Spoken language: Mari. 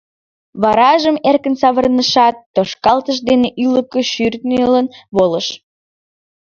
Варажым эркын савырнышат, тошкалтыш дене ӱлыкӧ шӱртньылын волыш.